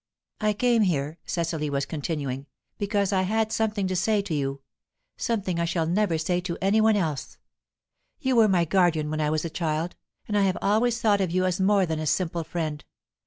"I came here," Cecily was continuing, "because I had something to say to you something I shall never say to any one else. You were my guardian when I was a child, and I have always thought of you as more than a simple friend.